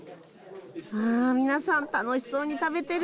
あ皆さん楽しそうに食べてる。